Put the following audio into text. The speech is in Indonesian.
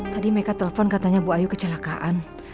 tadi meika telpon katanya bu ayu kecelakaan